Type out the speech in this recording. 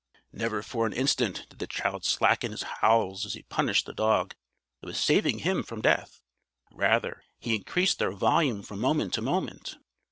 Never for an instant did the child slacken his howls as he punished the dog that was saving him from death. Rather, he increased their volume from moment to moment.